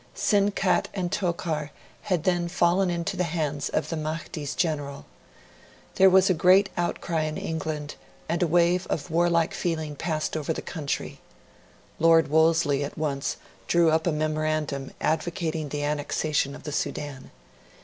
Sinkat and Tokar had then fallen into the hands of the Mahdi's general. There was a great outcry in England, and a wave of warlike feeling passed over the country. Lord Wolseley at once drew up a memorandum advocating the annexation of the Sudan.